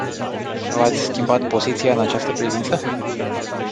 V-ați schimbat poziția în această privință?